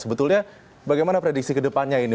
sebetulnya bagaimana prediksi kedepannya ini